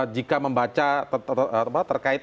jika membaca terkait